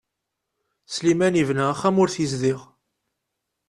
Sliman yebna axxam ur t-yezdiɣ.